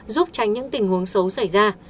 giúp tránh những tình huống xấu xảy ra